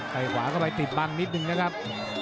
ใครขวาก็ไปติดบังนิดหนึ่งนะครับ